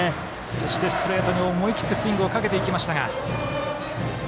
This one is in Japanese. そしてストレートに思い切ってスイングをかけていきましたが。